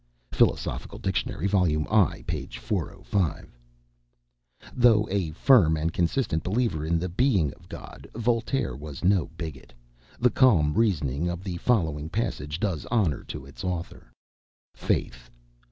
[Philosophical Dictionary, vol. i. p. 405.] Though a firm and consistent believer in the being of a God, Voltaire was no bigot. The calm reasoning of the following passage does honor to its author: Faith.